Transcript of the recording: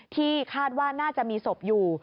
ที่คาดว่าน่าจะมีศพอยู่